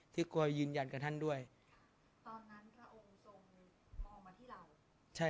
สงฆาตเจริญสงฆาตเจริญ